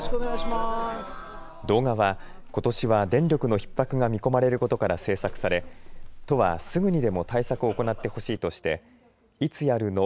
動画は、ことしは電力のひっ迫が見込まれることから制作され都はすぐにでも対策を行ってほしいとしていつやるの？